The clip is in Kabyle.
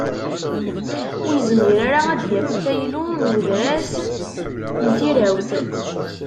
Ur yezmir ara ad d-yaf afaylu n udras n tirawt.